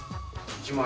１万円。